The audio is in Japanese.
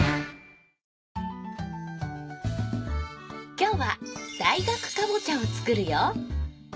今日は大学かぼちゃを作るよ。